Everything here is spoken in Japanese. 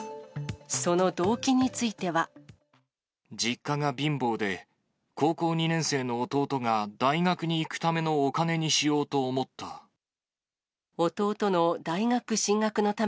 その動機については。実家が貧乏で、高校２年生の弟が大学に行くためのお金にしようと思った。